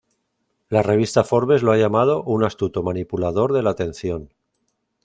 La revista Forbes lo ha llamado "un astuto manipulador de la atención.